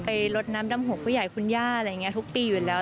ลดน้ำดำหัวผู้ใหญ่คุณย่าอะไรอย่างนี้ทุกปีอยู่แล้ว